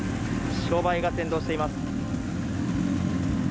白バイが先導しています。